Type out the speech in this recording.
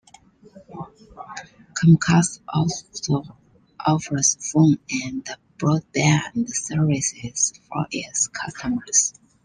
Comcast also offers phone and broadband services for its customers.